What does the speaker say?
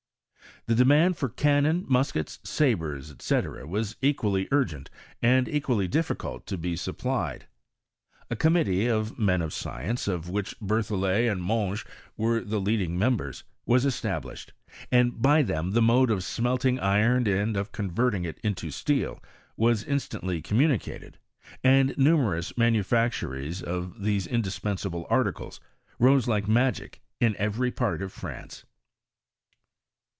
The demand for cannon, muskets, sabres, &c., was equally urgent and equally difficult to be sup^ plied. A committee of men of science, of which Berthoilet and Monge were the leading m^nbera, was established, and by them the mode of smelting iron, and of converting it into steel, was instantlf communicated, and numerous manufactories of these indispensable articles rose like magic in every part of France.